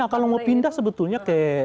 kalau mau pindah sebetulnya